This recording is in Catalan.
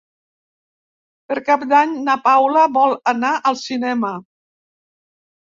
Per Cap d'Any na Paula vol anar al cinema.